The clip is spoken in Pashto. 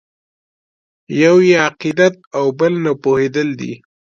یو یې عقیدت او بل نه پوهېدل دي.